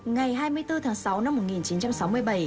ngày hai mươi bốn tháng sáu năm một nghìn chín trăm sáu mươi bảy